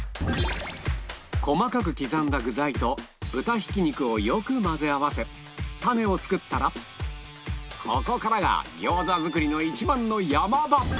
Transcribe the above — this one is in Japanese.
細かく刻んだ具材と豚ひき肉をよく混ぜ合わせタネを作ったらここからが餃子作りの一番の山場！